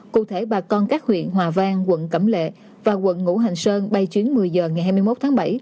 cụ thể bà con các huyện hòa vang quận cẩm lệ và quận ngũ hành sơn bay chuyến một mươi h ngày hai mươi một tháng bảy